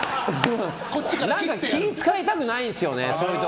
気を使いたくないんですよね